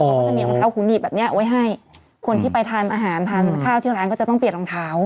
เขาก็จะมีรองเท้าหูหนีบแบบเนี้ยไว้ให้คนที่ไปทานอาหารทานข้าวที่ร้านก็จะต้องเปลี่ยนรองเท้า